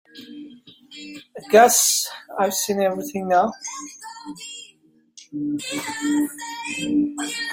I guess I've seen everything now.